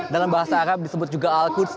dalam bahasa arab disebut juga al qudz